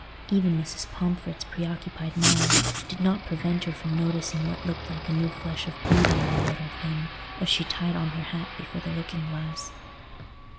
Even Mrs. Pomfret's preoccupied mind did not prevent her from noticing what looked like a new flush of beauty in the little thing as she tied on her hat before the looking glass.